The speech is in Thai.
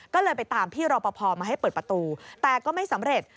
ก็เลยไปตามพี่รอปภมาให้เปิดประตูแต่ก็ไม่สำเร็จ